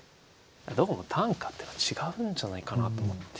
どうも短歌っていうのは違うんじゃないかなと思って。